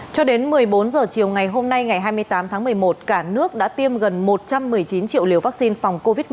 cho đến một mươi bốn h chiều ngày hôm nay ngày hai mươi tám tháng một mươi một cả nước đã tiêm gần một trăm một mươi chín triệu liều vaccine phòng covid một mươi chín